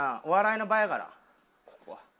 お笑いの場やからここは。